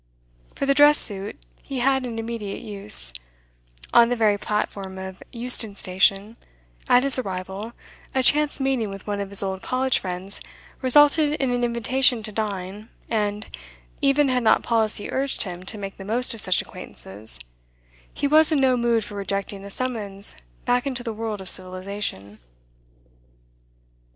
For the dress suit he had an immediate use; on the very platform of Euston Station, at his arrival, a chance meeting with one of his old college friends resulted in an invitation to dine, and, even had not policy urged him to make the most of such acquaintances, he was in no mood for rejecting a summons back into the world of civilisation.